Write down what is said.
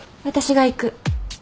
私が行く。